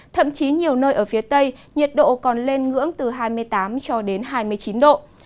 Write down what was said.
thậm chí nhiều nơi ở phía tây nhiệt độ còn lên ngưỡng từ hai mươi tám cho đến hai mươi chín độ